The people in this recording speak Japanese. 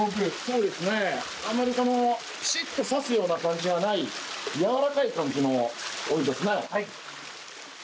あまりピシッと刺すような感じがない柔らかい感じのお湯ですね。